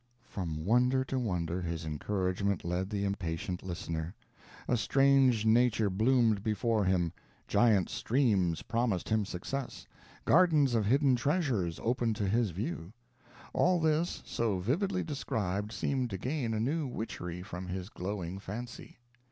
From wonder to wonder, his encouragement led the impatient listener. A strange nature bloomed before him giant streams promised him success gardens of hidden treasures opened to his view. All this, so vividly described, seemed to gain a new witchery from his glowing fancy.